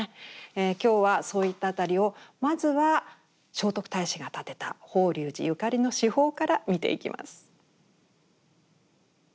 今日はそういった辺りをまずは聖徳太子が建てた法隆寺ゆかりの至宝から見ていきます。